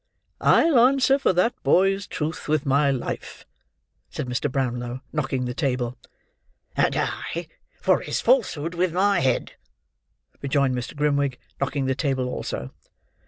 "I'll answer for that boy's truth with my life!" said Mr. Brownlow, knocking the table. "And I for his falsehood with my head!" rejoined Mr. Grimwig, knocking the table also.